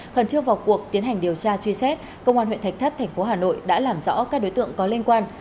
khẩn trương vào cuộc tiến hành điều tra truy xét công an huyện thạch thất thành phố hà nội đã làm rõ các đối tượng có liên quan